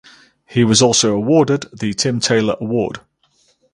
He was also awarded the Tim Taylor Award.